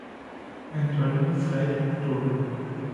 Antônio Freire Touro